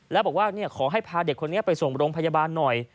แล้วบอกว่าขอให้พาเด็กคนนี้ไปส่งโรงพยาบาลหน่อย